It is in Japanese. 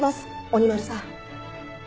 鬼丸さん。